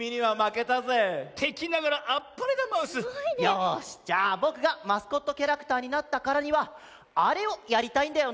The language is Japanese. よしじゃあぼくがマスコットキャラクターになったからにはあれをやりたいんだよね。